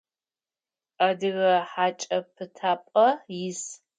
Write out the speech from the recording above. Адыгэ хьакӏэ пытапӏэ ис.